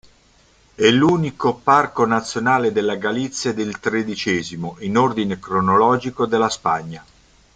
È l'unico parco nazionale della Galizia ed il tredicesimo, in ordine cronologico, della Spagna.